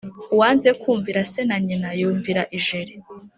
Uwanze kwumvira se (na nyina) yumvira ijeri.